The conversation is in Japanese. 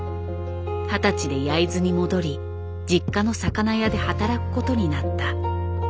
二十歳で焼津に戻り実家の魚屋で働くことになった。